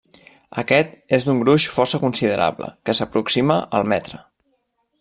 Aquest és d'un gruix força considerable que s'aproxima al metre.